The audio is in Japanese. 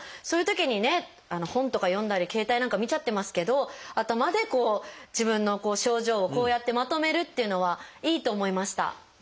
そういうときにね本とか読んだり携帯なんか見ちゃってますけど頭でこう自分の症状をこうやってまとめるっていうのはいいと思いました。